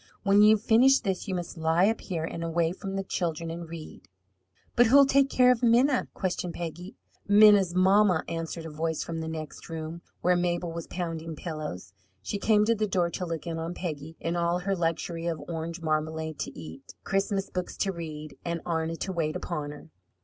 "When you've finished this you must lie up here away from the children and read." "But who will take care of Minna?" questioned Peggy. "Minna's mamma," answered a voice from the next room, where Mabel was pounding pillows. She came to the door to look in on Peggy in all her luxury of orange marmalade to eat, Christmas books to read, and Arna to wait upon her.